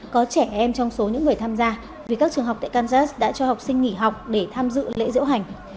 có trẻ em trong số những người tham gia vì các trường học tại kansas đã cho học sinh nghỉ học để tham dự lễ diễu hành